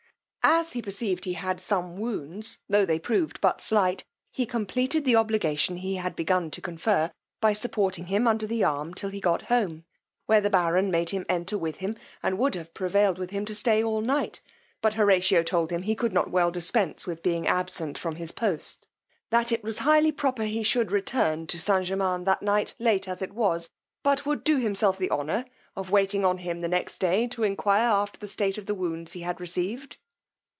As he perceived he had some wounds, tho' they proved but slight, he compleated the obligation he had began to confer, by supporting him under the arm till he got home, where the baron made him enter with him, and would have prevailed with him to stay all night; but Horatio told him he could not well dispense with being absent from his post; that it was highly proper he should return to St. Germains that night late as it was, but would do himself the honour of waiting on him the next day to enquire after the state of the wounds he had received.